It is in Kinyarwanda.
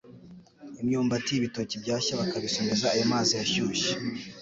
imyumbati, ibitoki byashya bakabisomeza ayo mazi ashyushye.